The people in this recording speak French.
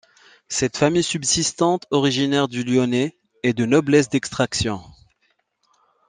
Cette famille subsistante, originaire du Lyonnais, est de noblesse d'extraction.